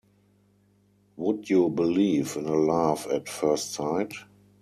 Would you believe in a love at first sight?